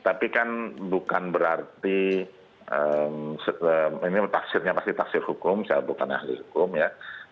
tapi kan bukan berarti ini pasti tafsir hukum saya bukan ahli hukum ya